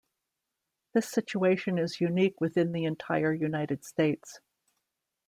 This situation is unique within the entire United States.